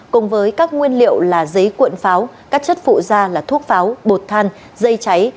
cùng với các nguyên liệu là giấy cuộn pháo các chất phụ da là thuốc pháo bột than dây cháy